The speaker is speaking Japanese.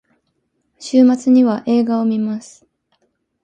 週末には映画を観ます。